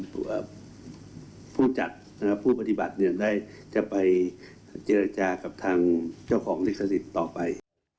ตัวผู้จัดนะครับผู้ปฏิบัติได้จะไปเจรจากับทางเจ้าของลิขสิทธิ์ต่อไป